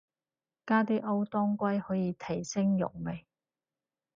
加啲歐當歸可以提升肉味